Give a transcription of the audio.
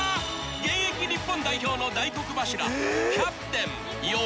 現役日本代表の大黒柱］